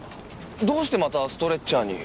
どうしてまたストレッチャーに。